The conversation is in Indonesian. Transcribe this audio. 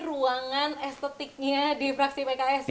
ruangan estetiknya di fraksi pks